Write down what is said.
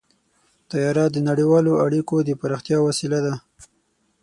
طیاره د نړیوالو اړیکو د پراختیا وسیله ده.